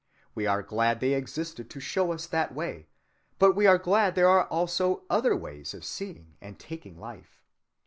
We are glad they existed to show us that way, but we are glad there are also other ways of seeing and taking life.